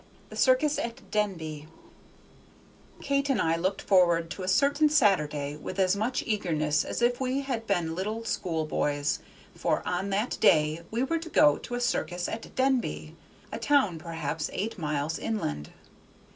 The Circus at Denby Kate and I looked forward to a certain Saturday with as much eagerness as if we had been little school boys, for on that day we were to go to a circus at Denby, a town perhaps eight miles inland.